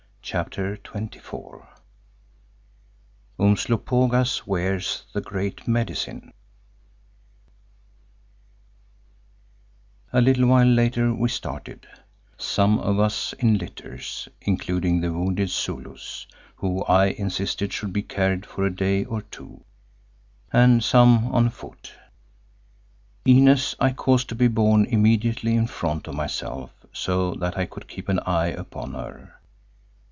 CHAPTER XXIV. UMSLOPOGAAS WEARS THE GREAT MEDICINE A little while later we started, some of us in litters, including the wounded Zulus, who I insisted should be carried for a day or two, and some on foot. Inez I caused to be borne immediately in front of myself so that I could keep an eye upon her.